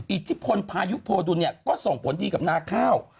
อิทธิพลพายุโพดุลเนี่ยก็ส่งผลดีกับนาข้าว